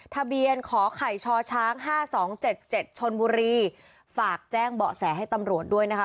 ทะเบียนขอไข่ชอช้างห้าสองเจ็ดเจ็ดชนบุรีฝากแจ้งเบาะแสให้ตำรวจด้วยนะคะ